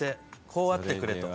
こうあってくれと。